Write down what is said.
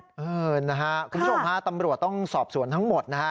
คุณผู้ชมฮะตำรวจต้องสอบสวนทั้งหมดนะฮะ